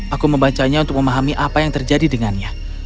aku membacanya untuk memahami apa yang terjadi dengannya